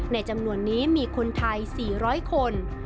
ในจำนวนนี้มีคนไทย๔๐๐คน